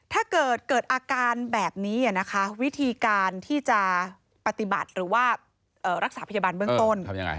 ถ้าเกิดเกิดอาการแบบนี้นะคะวิธีการที่จะปฏิบัติหรือว่ารักษาพยาบาลเบื้องต้น